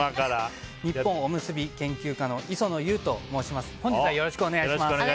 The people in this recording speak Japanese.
日本おむすび研究家の磯野ユウと申します。